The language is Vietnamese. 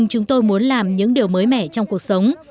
chúng tôi muốn làm những điều mới mẻ trong cuộc sống